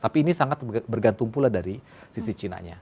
tapi ini sangat bergantung pula dari sisi cinanya